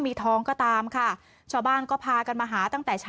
ป้านกก็บอกว่าไอ้ม่ากัน